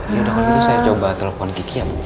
ya udah kalau gitu saya coba telepon kiki ya